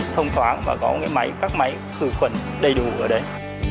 thông thoáng và có các máy sửa khuẩn đầy đủ ở đấy